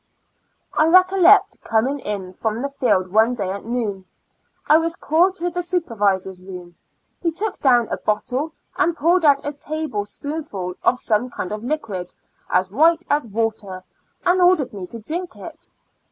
I recollect coming in from the field one day at noon. .1 was called to the supervi sor's room; he took down a bottle and poured out a table spoonful of some kind of liquid, as white as water, and ordered me to drink it.